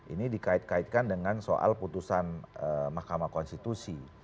ini dikait kaitkan dengan soal putusan mahkamah konstitusi